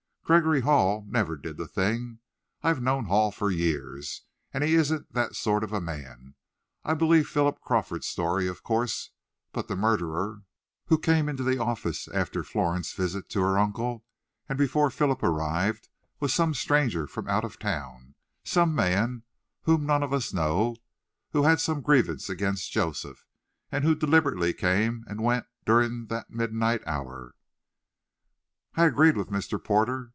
Gregory Hall never did the thing. I've known Hall for years, and he isn't that sort of a man. I believe Philip Crawford's story, of course, but the murderer, who came into the office after Florence's visit to her uncle, and before Philip arrived, was some stranger from out of town some man whom none of us know; who had some grievance against Joseph, and who deliberately came and went during that midnight hour." I agreed with Mr. Porter.